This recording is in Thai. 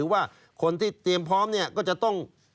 วิธีเทียมพร้อมเนี่ยก็จะต้อง